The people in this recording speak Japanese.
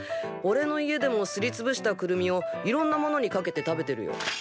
おれの家でもすりつぶしたくるみをいろんなものにかけて食べてるよ。